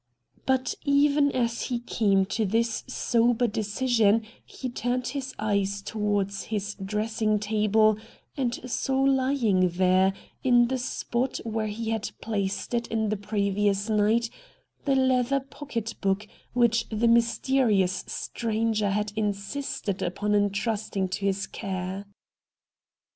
But even as he came to this sober decision he turned his eyes towards his dress ing table and saw lying there, in the spot where he had placed it the previous night, the leather pocket book which the mysterious n 2 i64 RED DIAMONDS stranger had insisted upon entrusting to his care.